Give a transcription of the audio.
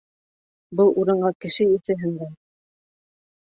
— Был урынға кеше еҫе һеңгән.